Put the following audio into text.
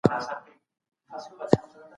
تل د حق په لاره کې ثابت پاتې سه.